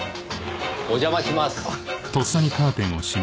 お邪魔します。